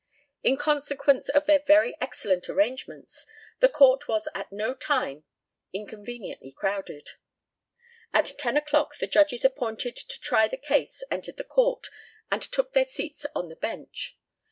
In consequence of their very excellent arrangements, the Court was at no time inconveniently crowded. At ten o'clock the judges appointed to try the case entered the Court, and took their seats on the bench.